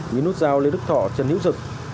như nút dao lên đức thọ chân hữu rực